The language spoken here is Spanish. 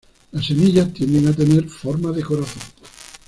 Las semillas tienden a tener forma de corazón.